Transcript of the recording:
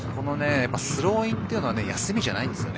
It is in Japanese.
スローインというのは休みではないんです。